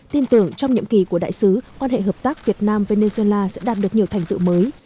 tin tưởng trong nhiệm kỳ của đại sứ quan hệ hợp tác việt nam venezuela sẽ đạt được nhiều thành tựu mới